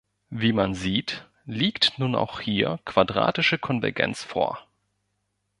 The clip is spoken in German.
Wie man sieht, liegt nun auch hier quadratische Konvergenz vor.